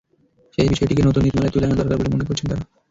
সেই বিষয়টিকে নতুন নীতিমালায় তুলে আনা দরকার বলে মনে করছেন তাঁরা।